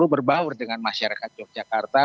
berbaur dengan masyarakat yogyakarta